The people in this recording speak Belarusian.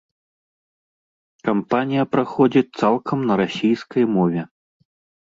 Кампанія праходзіць цалкам на расійскай мове.